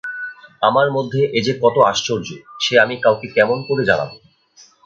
আমার মধ্যে এ যে কত আশ্চর্য সে আমি কাউকে কেমন করে জানাব।